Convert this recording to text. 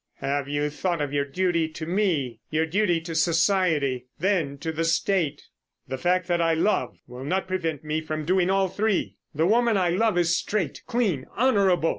"Have you thought of your duty to me? Your duty to society, then—to the State?" "The fact that I love will not prevent me doing all three. The woman I love is straight, clean, honourable.